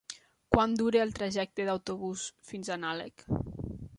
Quant dura el trajecte en autobús fins a Nalec?